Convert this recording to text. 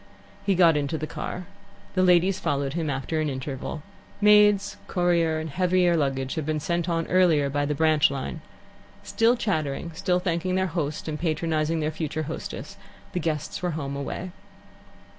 He got into the car. The ladies followed him after an interval. Maids, courier, and heavier luggage had been sent on earlier by the branch line. Still chattering, still thanking their host and patronizing their future hostess, the guests were home away.